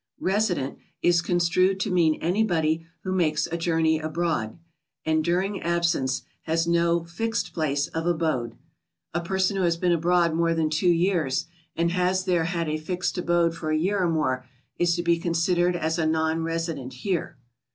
"Resident" is construed to mean anybody who makes a journey abroad, and during abs>ence has no fixed place of GOING ABROAD? 196 abode. A person who has been abroad more than two years, and has there had a fixed abode for a year or more, is to be considered as a non resident here.